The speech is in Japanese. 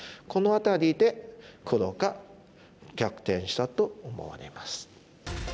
この辺りで黒が逆転したと思われます。